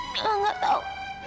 kamila gak tau